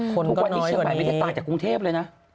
ทุกวันนี้เชียงใหม่ไม่ได้ต่างจากกรุงเทพเลยนะ